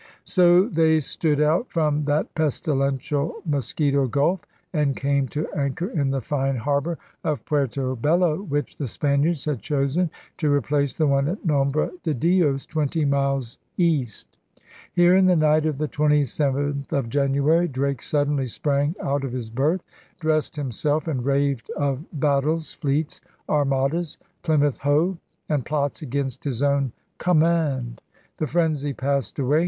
' DRAKE'S END 229 So they stood out from that pestilential Mos quito Gulf and came to anchor in the fine harbor of Puerto Bello, which the Spaniards had chosen to replace the one at Nombre de Dios, twenty miles east. Here, in the night of the 27th of January, Drake suddenly sprang out of his berth, dressed himself, and raved of battles, fleets, Armadas, Plymouth Hoe, and plots against his own com mand. The frenzy passed away.